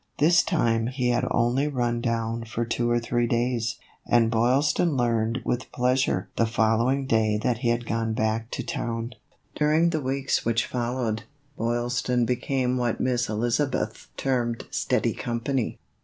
This time he had only run down for two or three days, and Boylston learned with pleasure the following day that he had gone back to town. THE EVOLUTION OF A BONNET. 139 During the weeks which followed, Boylston be came what Miss Elizabeth termed "steady com pany."